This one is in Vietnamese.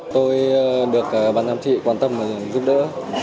tôi được ban giám trị quan tâm và giúp đỡ